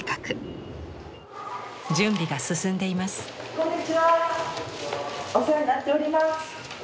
こんにちはお世話になっております。